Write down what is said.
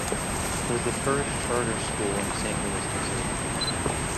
It was the first charter school in Saint Louis, Missouri.